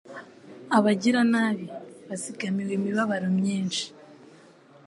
Abagiranabi bazigamiwe imibabaro myinshi